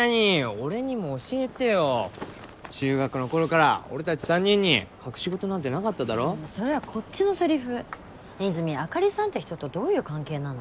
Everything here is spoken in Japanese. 俺にも教えてよ中学の頃から俺達３人に隠し事なんてなかっただろそれはこっちのセリフねえ和泉あかりさんって人とどういう関係なの？